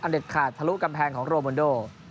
เด็ดขาดทะลุกำแพงของโรมันโด